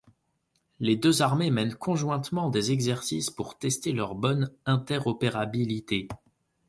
Les deux armées mènent conjointement des exercices pour tester leur bonne inter-opérabilité.